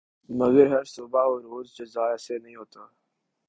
مگر ہر صبح ہو روز جزا ایسے نہیں ہوتا